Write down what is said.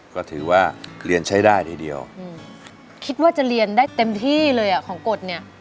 ก็ถือว่าเรียนใช้ได้ทีเดียวคิดว่าจะเรียนได้เต็มที่เลยอ่ะของกฎเนี่ย